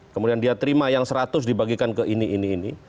kemudian dia terima yang seratus dibagikan ke ini ini ini